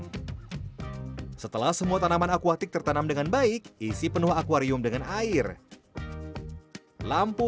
setelah semua tanaman akuatik tertanam dengan baik isi penuh akwarium dengan air lampu